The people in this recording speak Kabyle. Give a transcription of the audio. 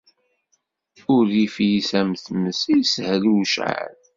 Urrif-is am tmes, ishel i ucɛal.